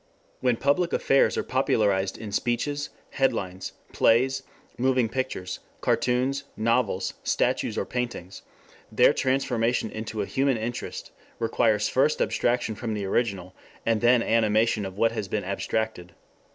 When public affairs are popularized in speeches, headlines, plays, moving pictures, cartoons, novels, statues or paintings, their transformation into a human interest requires first abstraction from the original, and then animation of what has been abstracted.